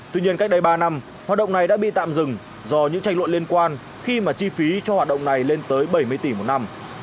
tuy nhiên cách đây ba năm hoạt động này đã bị tạm dừng do những tranh luận liên quan khi mà chi phí cho hoạt động này lên tới bảy mươi tỷ một năm